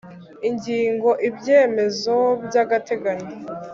Ingingo y Ibyemezo by agateganyo